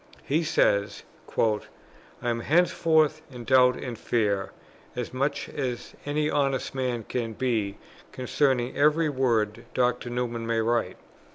He says, "I am henceforth in doubt and fear, as much as any honest man can be, concerning every word Dr. Newman may write.